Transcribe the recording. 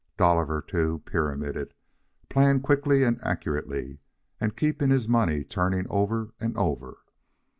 Dolliver, too, pyramided, playing quickly and accurately, and keeping his money turning over and over.